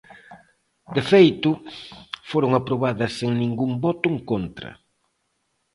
De feito, foron aprobadas sen ningún voto en contra.